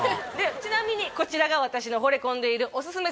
ちなみにこちらが私のほれ込んでいるオススメ